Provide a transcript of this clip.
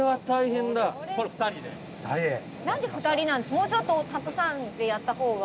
もうちょっとたくさんでやった方が。